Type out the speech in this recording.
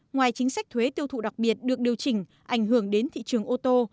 ngoài chính sách thuế tiêu thụ đặc biệt được điều chỉnh ảnh hưởng đến thị trường ô tô